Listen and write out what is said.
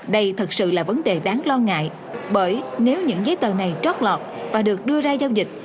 đây thật sự là vấn đề đáng lo ngại bởi nếu những giấy tờ này trót lọt và được đưa ra giao dịch